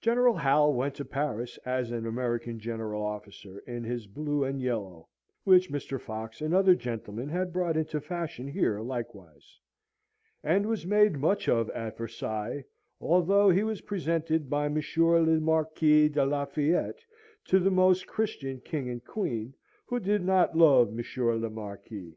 General Hal went to Paris as an American General Officer in his blue and yellow (which Mr. Fox and other gentlemen had brought into fashion here likewise), and was made much of at Versailles, although he was presented by Monsieur le Marquis de Lafayette to the Most Christian King and Queen, who did not love Monsieur le Marquis.